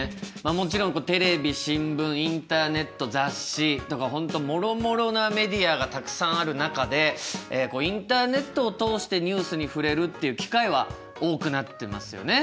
もちろんテレビ新聞インターネット雑誌とか本当もろもろなメディアがたくさんある中でインターネットを通してニュースに触れるっていう機会は多くなってますよね。